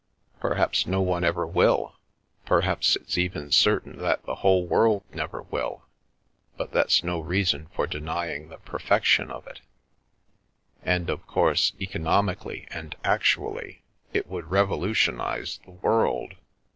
" Perhaps no one ever will — perhaps it's even certain that the whole world never will, but that's no reason for denying the perfection of it And, of course, economi cally and actually, it would revolutionise the world.